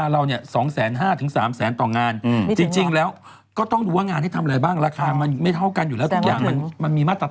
เดี๋ยวกลับมาครับ